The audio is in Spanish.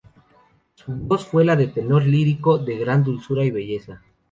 Su voz fue la de un tenor lírico de gran dulzura y belleza.